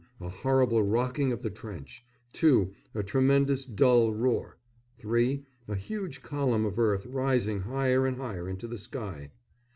A horrible rocking of the trench. II. A tremendous dull roar. III. A huge column of earth rising higher and higher into the sky.